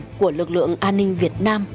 thống của lực lượng an ninh việt nam